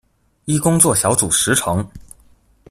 依工作小組時程